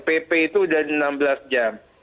pp itu sudah enam belas jam